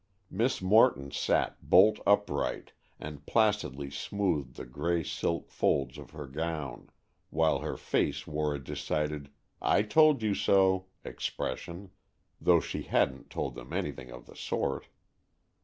Miss Morton sat bolt upright and placidly smoothed the gray silk folds of her gown, while her face wore a decided "I told you so" expression, though she hadn't told them anything of the sort.